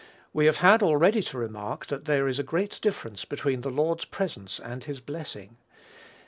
We have had already to remark that there is a great difference between the Lord's presence and his blessing.